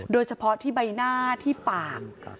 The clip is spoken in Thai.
โดยเฉพาะที่ใบหน้าที่ปาก